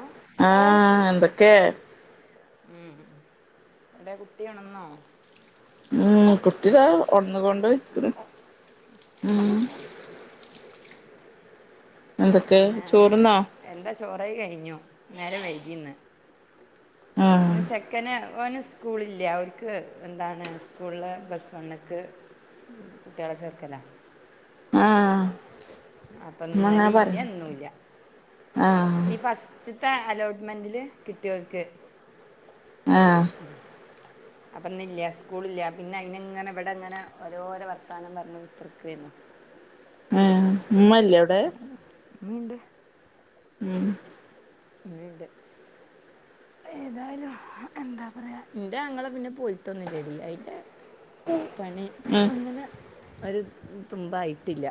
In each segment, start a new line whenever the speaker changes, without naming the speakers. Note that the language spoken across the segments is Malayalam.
ഏ
ആഹ എന്തൊക്കെ
ഉം ഇവിടെ കുട്ടിയാണെന്നോ
ഉം കുട്ടിയതാ ഉടന്നുക കൊണ്ട് ഉ എന്തൊക്കെ
പിന്നെ
ചോറ്ന്നോ
എന്താ ചോറായി കഴിഞ്ഞു ഇന്നേരം വൈകീന്ന്
ഉം
പി ചെക്കന് ഓന സ്കൂളില്ല അവർക്ക് എന്താണ് സ്കൂളിൽ സ് വണ്ണൊക്ക് കുട്ടികളെ ചേർക്കല
ആഹ്
അപ്പൊന്നല
ന്നങ്ങനെ പറ
ഇല്ല എന്നന്നുമല്ല
ആഹ്
ഈ ഫസ് ഉച്ചത്തെ അലോട്ട്മെൻറ്റില് കിട്ടിയവർക്ക്
ആഹ
അ അപ്പൊന്ന ഇല്ല സ്കൂള ഇില്ല പിന്നെ അയിന്ങ്ങനെ എവിടെ അങ്ങനെ ഓരോരോ വർത്താനം പറു പുത്തർക്ക് വു
ആല്ല
ആ മീണ്ട്
ഉം
വീണ്ട് ഏതായാലും എന്താ പറയാ എന്റെ ങ്ങളെ പിന്നെ പോയിട്ടൊന്നില്ല ടി അതിറെ പണി
ഉം
അങ്ങനെ ഒരു തുമ്പായിട്ടില്ല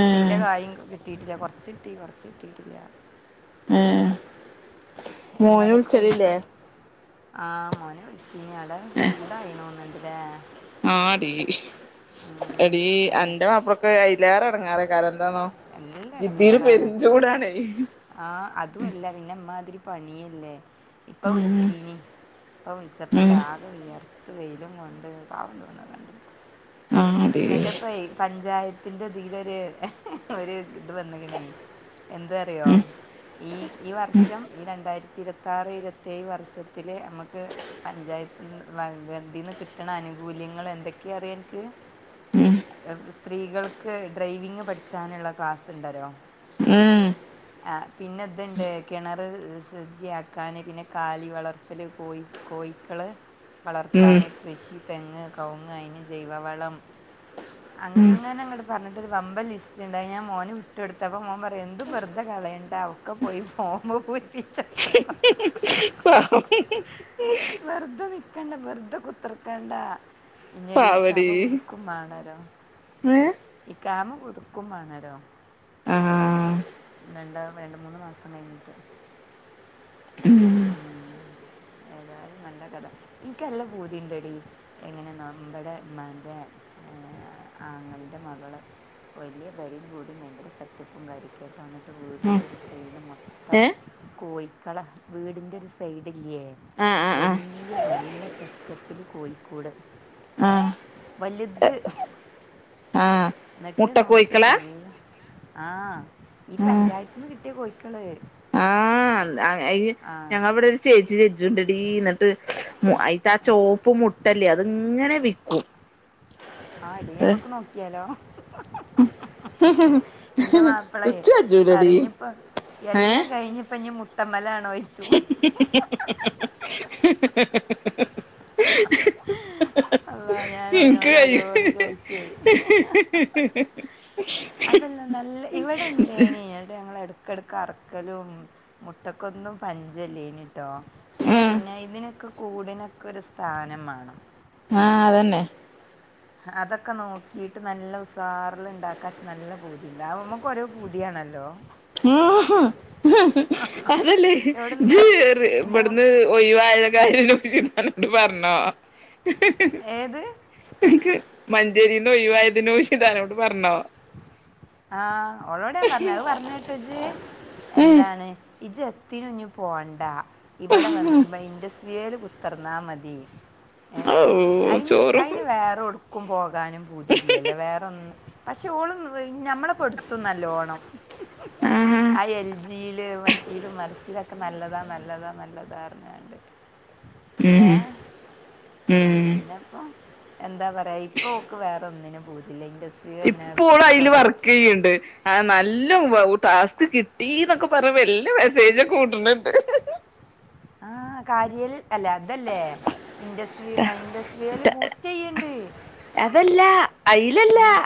ഏഹ്
കായം കിട്ടിയിട്ടില്ല കൊറച്ചിട്ടി കൊറച്ച കിട്ടിട്ടില്ല
ആഏ മോന ഉത്ച്ചരില്ലേ
ആഹ മോനെ വിളിച്ചീനി അവിടെ ചൂടായിണന്നുണ്ട്ല്ലേ
ആ അടിീ എടീ
അല്ലേ
എന്റെ മാപ്പളൊക്കെ അലേറെടങ്ങാറേ കാലം എന്താന്നോ
എന്നെ എല്ലാം
ജിദ്ദിര് പെരിഞ്ചൂടാണ
ആഹ അത അല്ല പിന്നെമാതിരി പണിയല്ലേ ഇപ്പൊ
ഉം
വിളിച്ചീനി അപ്പൊ
ഉം
ഉത്സപ്പന്റെ ആകെ ഉയർത്ത് വെയിലും കൊണ്ട് പാവുന്നുന്ന കണ്ട
ആ
എന്നിട്ട ഇപ്പ പഞ്ചായത്തിന്റെ ഇതിൽൊരു ഒരു ഇത് വന്ന കണ എന്താ അറിയോ
ഉം
ഈ ഈ വർഷം ഈ രണ്ടായിരത്തി ഇരുപത്താറ് ഇരുപത്തേഴ് വർഷത്തി നമുക്ക് പഞ്ചായത്ത്തിീന്ന് കിട്ടണ ആനുകൂല്യങ്ങൾ എന്തൊക്കെയാ അറിയാം എനിക്ക്
ഉം
സ്ത്രീകൾക്ക് ഡ്രൈവിങ് പഠിച്ചാനുള്ള ക്ലാസ് ഉണ്ടരോ
പ
ആഹ് പിന്നെതുണ്ട് കെണറ് സുജജിയക്കാന് പിന്നെ കാലി വളർത്തല് കോയി കോയിക്കള്
ഉം
വളർത്താന് കൃഷി തെങ്ങ് കവ്വ്ങ്ങ് അയിന് ജൈവവളം
ഉം
അങ്ങന അങ്ങട് പറഞ്ഞിട്ടൊരു വമ്പൻ ലിസ്റ്റുണ്ടായി ഞാ മോന് വിട്ട് കൊടുത്തപ്പോ മോൻ പറയാ എന്തും വെറുതെ കളയണ്ടാ ഒക്ക പോയി ഫോമ് പൂരിപിച്ചട്ട്
ഹ് ഹി ഹി [inaudible]
വെറുതെ നിക്കണ്ട വെറുതെ കുത്തിർക്കണ്ട ഇന്നട് ഈ
പാവടീ
കാമ പുതുക്കുംമാണരോ
ഏ
ഈ കാമ പുതുക്കും മണരോ
ആഹ്
രണ്ട രേണ്ട് മൂന്ന് മാസം കയിഞ്ഞിട്ട്
ഉം
ഉം ഏതായാലും നല്ല കഥ ഇൻക്ക് നല്ല പൂതിണ്ടടി എങ്ങനെന്നോ ബടെ ഇമ്മാന്റെ
[inaudible]
അ ആങ്ങളന്റെ മകള് വല്യ പെരേം കുടിം ഭയങ്കര സെറ്റപ്പും കാര്യും കേട്ട് വന്നിട്ട്
ഉം
വീടിൻ്റെ ഒരു സൈഡ് മൊത്തം
ഏ
കോഴിക്കളെ വീടിന്റെ ഒരു സൈഡില്ല്യേ
ആഹ് ആഹ് ആഹ്
വല്യ നല്ല സെറ്റപ്പില് കോഴിക്കൂട്
ആഹ്
വല്ത്
ആഹ്
ന്ന്ട്ട്
മുട്ട
നോക്കിയാ
കോയിക്കളാ
നല്ല ആഹ് ഈ
ആഹ്
പഞ്ചായത്ത്ന്ന് കിട്ടിയ കോഴിക്കള്
ആഹ് അ ഇ
ആ
ഞങ്ങളെ ഇവടൊരു ചേച്ചി ചെച്ച്ണ്ടെടീ ന ട്ട് മു അയിത്ത ആ ചോപ്പ് മുട്ടല്ലെ അത് ഇങ്ങന വിക്കും
ആഹ് ടി
ഏ
അമ്മക്ക് നോക്കിയാലോ
[inaudible]
ഇന്റ മാപ്പളെ
ഇച്ച്
പറി
കജ്ജൂലെടീ
ഞ്ഞിപ്പം
ഏഹ്
എല്ലം കഴിഞ്ഞ് ഇഞ്ഞ്പ്പ മു ട്ട മലാണോയ്ച്ചും
ഹ് ഹ് ഹ് ഹ് ഹ് ഹ് ഹ്
അള്ളാ
ഇൻക്ക്
ഞാനയ്നോട് ഓരോന്ന് ചോയിച്ചേ
ഹ് ഹ് ഹ് ഹ്
അതല്ല നല്ല ഇവിടെണ്ടേനി ന്ന്ട്ട് ഞങ്ങള് എടക്കെടക്ക് അറക്കലും മുട്ടക്കൊന്നും പഞ്ചല്ലേനി ട്ടോ പിന്നെ
ഉം
പിന്നെ ഇതിനൊക്ക കൂടിനൊക്ക ഒരു സ്ഥാനം മാണം
ആഹ് അതെന്നെ
അതൊക്ക നോക്കീട്ട് നല്ല ഉസാറ്ല് ഇണ്ടാക്ക ഇച്ച് നല്ല പൂതി ആവുമ്പം പ്പ ഓരോ പൂതിയാണല്ലോ
അതല്ലേ
എവിടുന്ന്
ജ് റ്
എൻ്റെ
ഇബട്ന്ന് ഒഴിവായ കാര്യം നൗഷിതാന്നോട് പറഞ്ഞോ
ഏത്
ൻക്ക് മഞ്ചേരിന്ന് ഒഴിവായത് നൗഷിതാനോട് പറഞ്ഞോ
ആഹ് ഓളോട് ഞാൻ പറഞ്ഞ് അത് പറഞ്ഞേട്ടോ ഇജ്
ഏഹ്
എന്താണ് ഇജ്ജ് എത്തിനും ഇഞ്ഞ് പോണ്ട ഇവടെ വന്ന്
ഉം
ഇട ഇൻഡസ്ട്രിയെല് കു ത്തർന്നാ മതി ഏഹ്
ഔ
അയിന്
ചോറും
അയിന് വേറൊട് ക്കും പോകാനും പൂതിയില്ലല്ലോ വേറൊന്നും പക്ഷെ ഓള് ഞമ്മളെ പെടുത്തും നല്ലോണം
ആഹാ
ആ എൽ ജിയില് മറ്റേലും മറിച്ചിലൊക്കെ നല്ലതാ നല്ലതാ നല്ലതാർഞ്ഞാ
[inaudible] ഉം
ഏഹ്
ഉം
പിന്നെപ്പം എന്താ പറയാ ഇപ്പൊ ഓക്ക് വേറൊന്നിനും പൂതില്ല ഇൻഡസ്
ഇപ്പ പ്പോള് അയില് വർക്കെയ്യ്ണ്ട് ആ നല്ല ഉവ്വ് ഉം ടാസ്ക് കിട്ടീന്നൊക്ക പറഞ്ഞപ്പം എല്ലം മെസ്സേജൊക്കെ വിട്ണ് ണ്ട് ! ! ! ! ! ! ! ! ! !
സ് ആ ഇൻഡസ്ട്രിയൽ ബൂസ്റ്റെയ്യ്ണ്ട്
അതല്ല
ഏഹ് ! ! ! ! ! ! ! ! ! !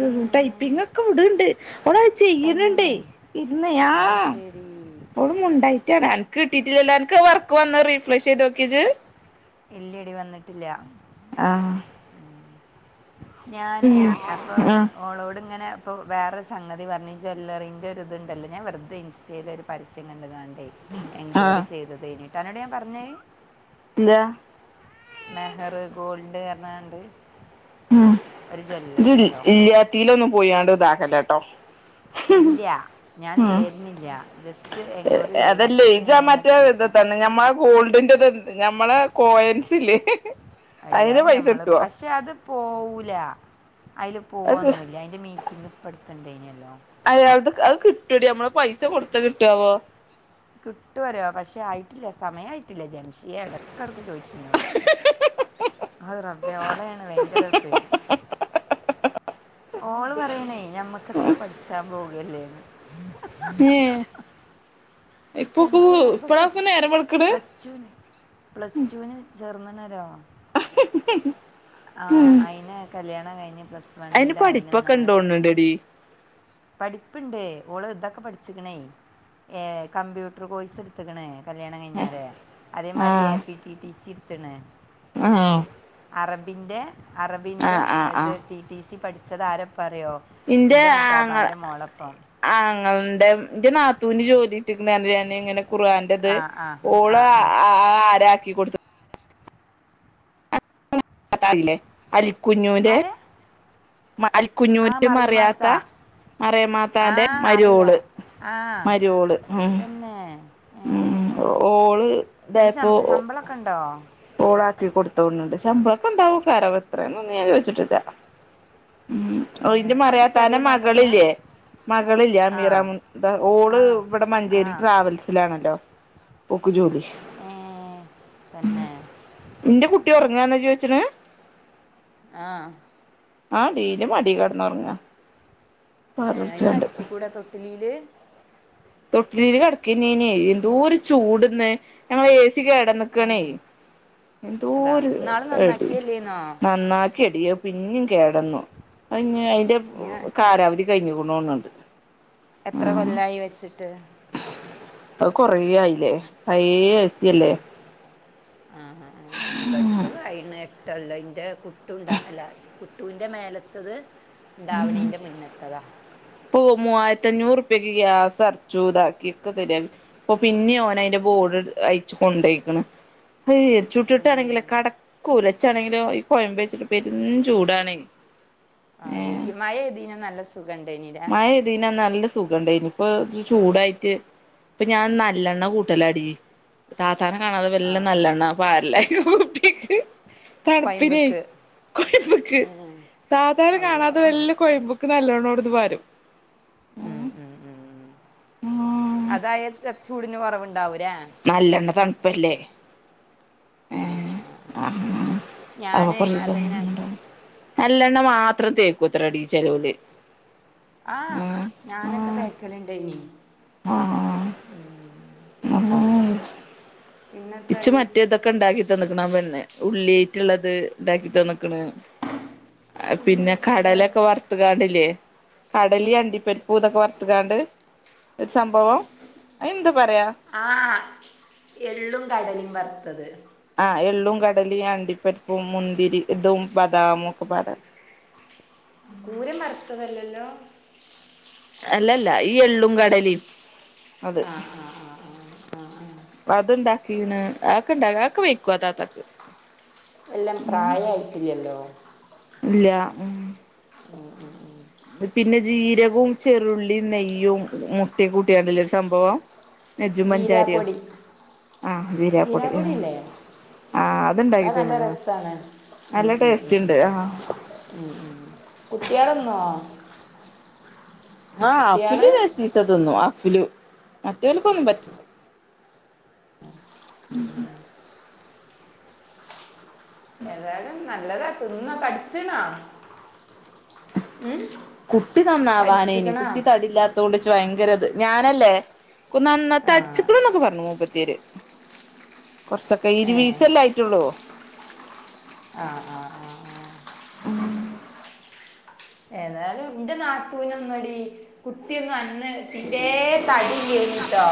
ഏ
ടൈപ്പിങ് ഒക്കെ വിട്ണ്ട് ഓള അത് ചെയ്യ്ണ്
തന്നെ
ണ്ടേ ഇര്ന്ന്
അത്
ആഹ്
ശരി
ഓള്മു ൻ്റേടാ അൻക്ക് കിട്ടിട്ടില്ലല്ലോ അൻക്ക് വർക്ക് വന്നത് റീഫ്രഷ് ചെയ്ത് നോക്കിയോ ഇജ്
ഇല്ലടി വന്ന്ട്ടില്ല
ആഹ്
ഞാനേ അപ്പ
ആഹ്
ഓളോട് ഇങ്ങനെ പ്പം വേറെ സംഗതി പറഞ്ഞ് ജ്വല്ലറിൻ്റെ ഒര്ത്ണ്ടല്ലോ ഞാൻ വെർതെ ഇൻസ്റ്റയിൽ ഒരു പരസ്യം കണ്ട് കാണ്ടേ
ആഹ്
എൻക്വയറി ചെയ്തതേനീട്ടൊ അനോട് ഞാൻ പറഞ്ഞൊ അത്
ഇല്യാ
മെഹറ് ഗോൾഡ് എർണ്ങ്ങാണ്ട്
ഉം ഇജ്തി
കേട്ടോ
ഇല്യാത്തീലൊന്നും പോയിങ്ങാണ്ട് ഇതാക്കല്ലെട്ടോ
ഇല്യ ഞാൻ ചേര്നില്യ ജസ്റ്റ് എൻക്വയറി ചെയ്തതാ അപ്പോത്തിന് ഇന്നെ ഇങ്ങട്ട് വിളിച്ചു
ഗോൾഡിന്റെതെൻന്ത് ഞമ്മളെ കോയൻസില്ലേ
എടി അത് ഞമ്മളത് പക്ഷെ അത് പോവൂല ഐല്
അത്
പോവൊന്നുല്യ ഐ ന്റെ മീറ്റിംഗ് ഇപ്പട്ത്ത്ണ്ടൈനിയല്ലോ
അത് അത് അത് കിട്ടാെടീ നമ്മളത് പൈസ കൊടുത്തത് കിട്ടുആവോ
കിട്ടുംപറ്യാ പക്ഷെ ആയിട്ടില്ല സമയായിട്ടില്ല ജംഷിയേ എടക്കടക്ക് ചോയിച്ചും ഇന്നോട് അത് റബ്ബേ ഓളേണ് ഭയങ്കര പേടി ഓള് പറയ്ണേ ഞമ്മക്കാെക്കെ പഠിച്ചാം പോകയല്ലേന്ന്
ഏഹ് ഇപ്പൊ ഇപ്പഴ് ഇപ്പളാപ്പൊ നേരം വെൾക്ക്ണ്
റ്റുൻ പ്ലസ് റ്റൂവിന് ചേർന്ന്ണ്ണെരാ
ആ
ആഹ് ഐന് കല്യാണം കെയിഞ്ഞ് പ്ലസ് വണ്ണിലായിനന്നാണ്
ലെടീ
പഠിപ്പ്ണ്ട് ഓള് ഇത്ക്കെ പഠിച്ച്ക്ക്ണേയ് ഏഹ് കമ്പ്യൂട്ട്റ് കോഴ്സ് ഇട്ത്ത്ക്ക്ണ് കല്യാണം കെയിഞ്ഞാലേ അതേമായിരി
ആഹ്
A P T T C ഇട്ത്ത്ണ്
ഏഹ്
അറബിന്റെ അറബിൻ്റെ
ആഹ്
ഇത്
ആഹ്
ടി ടി സി പഠിച്ചത് ആരപ്പാഅെറിയോ
ഇന്റെ ആഹ്
ഇത്താത്താൻ്റെ മോളാെപ്പം
ആങ്ങൾന്റെ ഇന്റെ നാത്തൂന് ജോലി കി ട്ടിക്ക്ണ് അർണിലെ ഞാന് ഇങ്ങനെ ഖുർആന്റെ ഇത്
ആ ആ ആ
ഓള്
ആ
ആആആരാക്കി കൊട്ത്ത്
ആ-
അതല്ലേ അലിക്കുഞ്ഞൂന്റെ
ആരെ
ഇമ
ആ
അലിക്കുഞ്ഞൂന്റെ ഇമ്മ
മറിയുമാത്ത
അറിയാത്ത മറ്യേ
ആ
മാത്താന്റെ മരോള്
അറിയാം ആ
മരോള് ഉം
തന്നെ ഏ,
ഉം ഒ ഓള് ഇതായപ്പൊ ഒ
ഇക്കണ്ടോ
ഓളാക്കി കൊടുത്തോണ് ണ്ട് ശമ്പളൊക്കെ ഇണ്ടാവാെകാരം എത്രയെന്നൊന്നും ഞാൻ ചോയ്ച്ചിട്ടില്ല ഉം ഔന്റെ
എൻ്റെ
മറയാത്താനെ
ചെറിയ നാത്തൂനാ
മകളില്യേ മകളില്യെ
ആഹ്
അമീറമുൻന്ത ഓള്
ആഹ്
ഇവടെ മഞ്ചേരി
ആഹ്
ട്രാവൽസിലാണല്ലോ ഓക്ക്ജോലി
ആഹ് തന്നെ
ഇന്റെ കുട്ടി ഒർങ്ങാന്നാ ചോയ്ച്ച്ണ്
ആഹ്
ആടീ ഇന്റമഡീ കെട്ന്നൊർങ്ങാ
ഏഹ് ഐനെ കട്ത്തിക്കൂടെ തൊട്ടിലീല്
തൊട്ട്ലില് കെട്ക്കെന്നേനെ എന്തോര് ചൂട് ഇന്ന് ഞങ്ങളേെ ഏസി കേടന്ന്ക്കാണേ
അതാ
എന്തോര്
ഇന്നാള്
ഏടി
നന്നാക്കിയല്ലേന്നോ
നന്നാക്കി എടീ അത് പിന്നിം കേടന്നു അത്ഞ്ഞ് അതിന്റെ
ഇഞ്ഞ്
കാലാവധി കൈഞ്ഞ്കുണോണ് ണ്ട്
എത്ര കൊല്ലായി വെച്ച്ട്ട്
അത് കൊറേയായിലേ പയേ എ സി എല്ലേ
ആഹ് ആഹ് ആഹ് ആഹ് ഇവെട്ത്തതും ആയിര്ന്ന് എട്ടാെല്ലം ഇന്റെ കുട്ടുണ്ട എല്ല കുട്ടൂന്റെ മേലെത്തത് ഇണ്ടാവ്ണീന്റെ മുന്നത്തതാ
ഇപൊവു മൂവായിരത്തി അഞ്ഞൂറ് ഉപ്യക്ക് ഗ്യാസ് അരച്ചു താക്കിക്കെ സെരിയാക്കി ഇപ്പൊ പിന്നിം ഓന് ഐന്റെ ബോർഡ് ഇട് ഐച്ച് കൊണ്ടൈക്ക്ണ് ഹത് ഏച്ചൂട്ടിയോട്ത്താണെങ്കിലൊ കടക്കൂല ഇച്ചാണെങ്കിലോ ഈ കൊയമ്പേച്ച്ട്ട് പെരും ചൂടാണെെ
ആടി ഈ മയൈതീനന്ന് നല്ല സുഖണ്ടൈനീലേ
പിന്നെ നല്ല സുഖണ്ടെെനു ഇപ്പൊ ചൂടായിറ്റ് ഇപ്പ ഞാൻ നല്ലണ്ണ കൂട്ടലടി താത്താനെ കാണാതെ വല്ല നല്ലെണ്ണ.. വർലട്ടക്ക് തണുപ്പിനെ
കോയമ്പ്ക്ക്
കൊഴമ്പുക്ക്
ഏഹ്
താത്താനെ
അള്ളാ
കാണാതെ വലിയ കോഴമ്പുക്ക് ക്ക നല്ലവണ്ണോട് ത് വരും
ഉം ഉം ഉം ഉം അതായ ചൂടിന് കൊറവണ്ടാവ
നല്ലണ്ണ തണുപ്പല്ലേ
ആ ആ
[unintelligible]
ഞാനേ അതന്നെ
നല്ലെണ്ണ മാത്രം തേക്കൂത്ര ടി ചെലോല്
ആഹ് ഞാനൊക്കെ തേക്കലുണ്ടനി
ആഹ്
ഉം
[inaudible] ഇച്ച്
പിന്നെത്താടി
മറ്റേതൊക്കെണ്ടാക്കി തന്നക്ണം പിന്നെ ഉള്ളിട്ടുള്ളത് ഉണ്ടാക്കി തന്നക്ണ് പിന്നെ
ഉള്ളിയേറ്റതാ
കടലക്കെ വർ.. വാണ്ടല്ലേ കടലി അണ്ടിപ്പരാപ്പു തൊക്കെ വറുത്തുകാണ്ട് ഒരു സംഭവം ആയെന്താ പറയാ?
ആഹ എള്ളും കടലും വറുത്തത്
ആഹ എള്ളും കടലി അണ്ടിപ്പരിപ്പും മുന്തിരി ഇതും ബദാമും ഒക്കെ പാട
കൂര മറുത്തതല്ലല്ലോ
അല്ലല്ല ഈ എള്ളും കടലിം. അത് അത്ണ്ടാക്കീണ് ആക്കെ ഇണ്ടാക്കി ആക്കെ വയ്ക്കു അ താത്തക്ക്
നല്ലം പ്രായയിട്ടില്ലല്ലോ
ഇല്ല
[inaudible]
പിന്നെ ജീരകും ചെറുള്ളിയ നെയ്യും മുട്ടയും കൂട്ടിയാന്തോരു സംഭവം ചുമഞ്ചാരിയോ
ജീരാപ്പൊടി
ആഹ ജീരാപ്പൊടി ആഹ
അത് നല്ല
അത്ണ്ടാക്കിതന്ന്ക്ണ്
രസമാണ്
നല്ല ടേസ്റ്റണ്ട് ആഹ
ഉം ഉം കുട്ടികളന്നോ
ആഹ ആഫില്
കുട്ടികള്
ലെസീസ തിന്നും ആഫില് മറ്റൊൾക്കൊന്നും പറ്റില്ല
[inaudible] ഏതായാലും നല്ലതാ തിന്ന തടിച്ചണാ ഉം
കുട്ടി നന്നാവാനേനി കുട്ടി തടില്ലാത്തൊണ്ട് ഇച്ച് ഭയങ്കരത് ഞാനല്ലേ
ആ
നന്നത്തെ തടിച്ചിക്കണന്നൊക്കെ പറഞ്ഞു മുപ്പത്തിര് കുറച്ചൊക്കെ
ഏ
ഇരുവീസല്ല ആയിട്ടുള്ളൂ
ആഹ ആഹ് ആഹ് ആഹ
ഉം
ഏതായാലും ഇന്റെ നാത്തൂനന്നടി കുട്ടിയ ഒന്ന് അന്ന് തീരെ തടില്ലേണിട്ടോ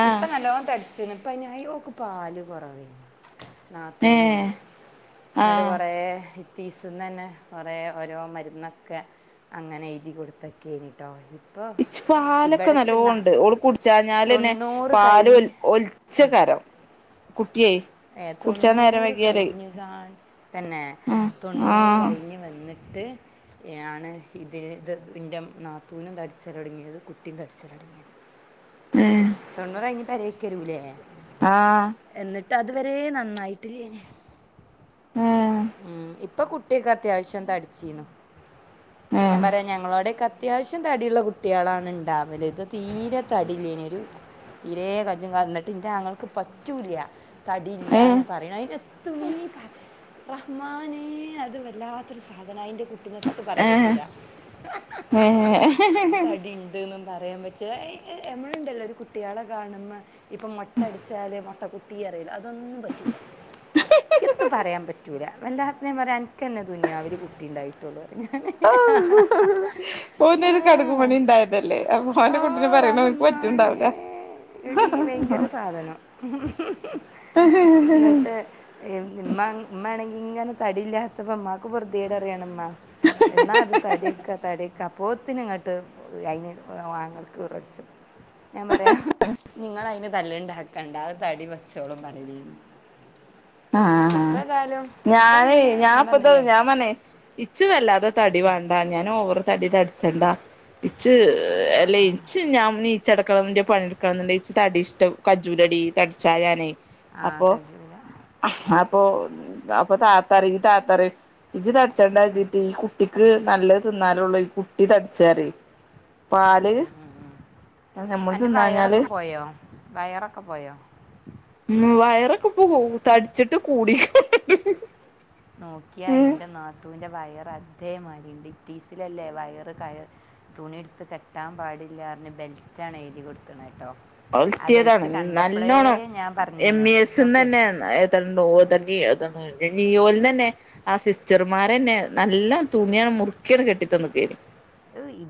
ആഹ്
ഇപ്പൊ നല്ലൊ തടിച്ക്ണ് പ്പനായി ഒക്കെ പാല് കുറവ നാത്തൂന
ഏഹ്
എന്നിട്
ആഹ്
കൊറ തീസന്ന് തന്നെ കൊറ ഓരോ മരുന്നൊക്കെ അങ്ങനെ എയുതി കൊടുത്തൊക്കെനിട്ടോ
ഇച്ച് പാലൊക്കെ നല്ലണ്ട് ഓള് കുടിച്ചഞ്ഞാലെന്നെ
തൊണ്ണൂറ്
പാല
കഴിഞ്ഞ്
ഉച്ചകാരം കുട്ടിയെ
ഏഹ, തൊണ്ണൂറ് കഴിഞ്ഞുകാ തന്നെ. തൊണ്ണൂറ്
ആഹ്
കഴിഞ്ഞ് വന്നിട്ട്... ത്.. ആണ് ഇത് ഇത് എന്റെ നാത്തൂനും തടിച്ചലൊട്ങ്ങിയത് കുട്ടിയും തടിച്ചൽടങ്ങിയത്.
ഏഹ.
തൊണ്ണൂറ് കഴിഞ്ഞ് പരേക്കരൂല്ലേ?
ആഹ...
എന്നിട്ട് അത് വരെ നന്നായിട്ടില്ലേയിനി.
ഏഹ്
ഉം. ഇപ്പൊ കു ട്ടെക്ക അത്യാവശ്യം തടിച്ചീനു. ഞാൻ പറയാം ഞങ്ങളോടേക്കെ... അത്യാവശ്യം തടിയുള്ള കുട്ടികളാണ് ഉണ്ടാവല്. ഇത് തീരെ തടില്ലായിനി. തീരേ കജ്ജും കാലും എന്നിട്ട് ഇന്റാങ്ങൾക് പറ്റൂല.
ഏഹ് ഏഹ്
തടിയില്ലന്ന് പറയണ, അതിനെത്തുണ്ണീ... റഹ്മാനെ... അത് വല്ലാത്തൊരു സാധനം. അതിൻ്റെ കുട്ടിനെ... ഒത്തു പറയാൻ പറ്റൂല
ഏഹ്
[unintelligible]
ഏഹ്
തടി പറയാൻ പറ്റ, എ യേയി നമ്മളുണ്ടല്ലോ ഒരു കു കുട്ട്യാളെ കാണുമ്പ ഇപ്പം മുട്ടടിച്ചാല് മൊട്ടകുട്ടി പറല്ലോ അതൊന്നും പറ്റൂല. എത്തു പറയാൻ പറ്റൂല. വല്ലാത്ത പറയാ അനക്ക്ന്നെ തുനിയാവിൽ കുട്ടി ഉണ്ടായി... പറ്റുള്ളൂ. [unintelligible]
ഓന്നൊരു കടക് മണി ഉണ്ടായതല്ലേ, അപ്പൊ ഓന്റെ
ആ
കുട്ടിനെ പറയണ അവനിക്ക് പറ്റുംണ്ടാവില്ല.
എടീ ഭയങ്കര സാധനം നട്ട് മ്മ മ്മാണെങ്കി ഇങ്ങനെ തടിയില്ലാത്തപ്പോ മ്മാക്ക് പൊർതേട് പയാണ്മ്മ. എന്നാ ഇത് തടെക്ക തടെക്ക അ പ്പോത്തിന് ഇങ്ങട്ട് അയിന് ആങ്ങൾക്ക് ഈറട്ച്ചും. ഞാൻ പറയാ, നിങ്ങള് അതിന് തല്ലുണ്ടാക്കണ്ട അത് തടി വച്ചോളും പറലയിനി. ഇപ്പ തായാലും..
ഞാന് ഞാൻ ഇപ്പതു ഞാൻ പറഞ്ഞെ, ഇച്ചു വല്ലാതെ തടി വേണ്ട. ഞാനോവറ് തടി തടി... ചെണ്ടാ. ഇച്ച് അല്ലേ ഇച്ച് ഞാൻ നീ ച്ചടക്കണന്റെ... പണിയെടുക്കണേണ്ടെങ്കിൽ ഇച്ച് തടി ഇഷ്ടം കജ്ജൂലടി തടിച്ചാ ഞാനെ.
ആഹ്, കജ്ജൂല.
അപ്പൊ അപ്പൊ താത്തറയും ഈ താത്തറയു, ഇജ്ജ് തടിച്ചണ്ടാച്ചിട്ട് ഈ കുട്ടി... ക്ക് നല്ലത് തിന്നാലുള്ളൂ, ഈ കുട്ടി തടിച്ചറയും. പാല്? നമ്മള്
എൻ്റെ
തിന്നാഞ്ഞാല്...
വയറൊക്കെ പോയോ വയറൊക്കെ പോയോ?
ഉം, വയറൊക്കെ ഇപ്പൊ പോകും. തടിച്ചിട്ട് കൂടിക്ണ്.
നോക്കിയാ, ഇന്റെ നാത്തുന്റെ വയറ് അതേമാരിണ്ട്. ഇത്തീസിലല്ലേ. വയറ് കയ തുണിടുത്ത് കെട്ടാൻ പാടില്ലാന്നറിഞ്ഞ് ബെൽറ്റാണ് എഴുതി കൊടുതക്ണാട്ടോ.
ൽറ്റിയതാണ്. നല്ലോണം എം
പറഞ്ഞാണ്
ഇ എസ്ന്ന്
നോക്ക്
തന്നെ... ഓ ത തത്തി ഓൽ നന്നെ. ആ സിസ്റ്റർമാരന്നെ നല്ല തുണിയാണ് മുറുക്കി ആണ്ട് കെട്ടി തന്നക്കെയിനി.
[unintelligible]